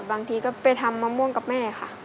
บางทีก็ไปทำมะม่วงกับแม่ค่ะ